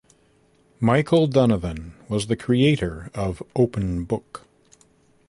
Michael Donovan was the creator of "Open Book".